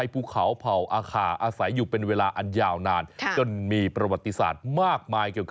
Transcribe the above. ดูควันเป็นเพียบเลย